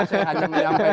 saya hanya menyampaikan